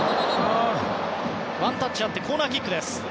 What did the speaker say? ワンタッチあってコーナーキックです。